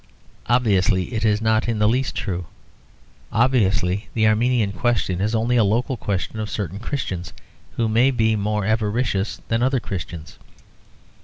Obviously it is not in the least true; obviously the Armenian question is only a local question of certain Christians, who may be more avaricious than other Christians.